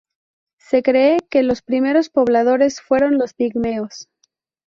Se cree que los primeros pobladores fueron los pigmeos.